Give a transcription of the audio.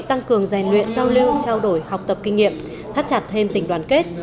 tăng cường rèn luyện giao lưu trao đổi học tập kinh nghiệm thắt chặt thêm tình đoàn kết